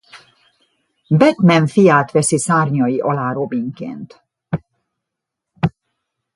Batman fiát veszi szárnyai alá Robinként.